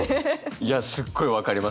いやすっごい分かりますね。